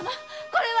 これは！？